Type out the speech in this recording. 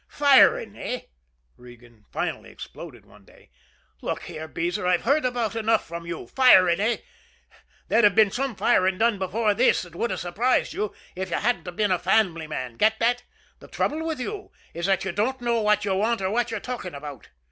"Firing, eh!" Regan finally exploded one day. "Look here, Beezer; I've heard about enough from you. Firing, eh? There'd have been some firing done before this that would have surprised you if you hadn't been a family man! Get that? The trouble with you is that you don't know what you want or what you're talking about."